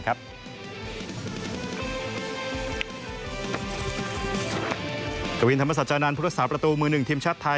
กวินธรรมศจรรยานนั้นพุทธศาลประตูมือหนึ่งทีมชาติไทย